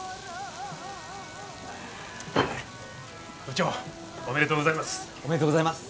部長おめでとうございます。